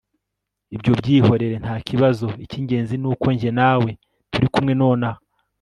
ibyo byihorere ntakibazo, icyingenzi nuko njye nawe turi kumwe nonaha